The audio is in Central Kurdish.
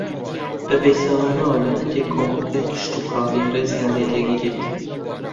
بە پێچەوانە لە ھەندێک کۆمەڵگەی کشتوکاڵی ڕێزیان لێدەگیرێت